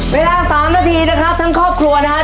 เวลา๓นาทีนะครับทั้งครอบครัวนะครับ